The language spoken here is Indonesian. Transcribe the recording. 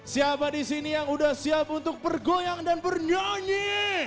siapa di sini yang sudah siap untuk bergoyang dan bernyanyi